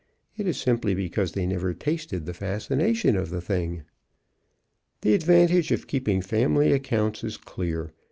It is simply because they never tasted the fascination of the thing. The advantage of keeping family accounts is clear.